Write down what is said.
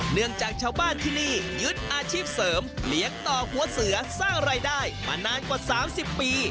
เนื่องจากชาวบ้านที่นี่ยึดอาชีพเสริมเลี้ยงต่อหัวเสือสร้างรายได้มานานกว่า๓๐ปี